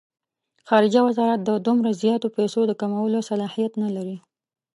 خارجه وزارت د دومره زیاتو پیسو د کمولو صلاحیت نه لري.